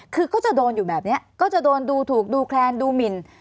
คือก็จะโดนอยู่แบบนี้ก็จะโดนดูถูกดูแคลนดูหมิน